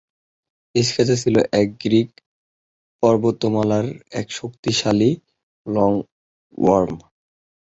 Scatha ছিল Grey পর্বতমালার এক শক্তিশালী "লং-ওয়ার্ম।"